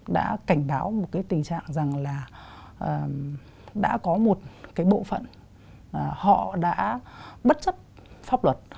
đã cảnh báo một tình trạng rằng là đã có một bộ phận họ đã bất chấp pháp luật